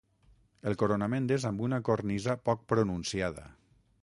El coronament és amb una cornisa poc pronunciada.